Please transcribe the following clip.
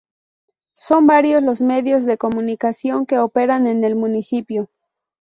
Son varios los medios de comunicación que operan en el municipio.